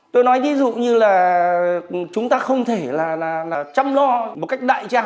tôi nói ví dụ như là chúng ta không thể chăm lo một cách đại trà